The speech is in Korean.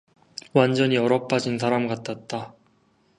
완전히 얼어 빠진 사람같았다.